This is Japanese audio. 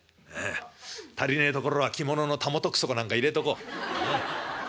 足りねえところは着物のたもとくそか何か入れとこう。